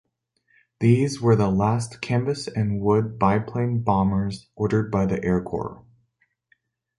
These were the last canvas-and-wood biplane bombers ordered by the Air Corps.